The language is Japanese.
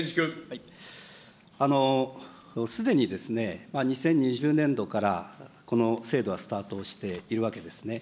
すでにですね、２０２０年度から、この制度はスタートしているわけですね。